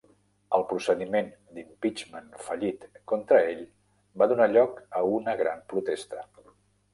El procediment d'"impeachment" fallit contra ell va donar lloc a una gran protesta.